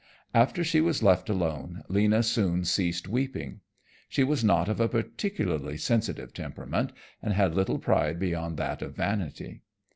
After she was left alone, Lena soon ceased weeping. She was not of a particularly sensitive temperament, and had little pride beyond that of vanity.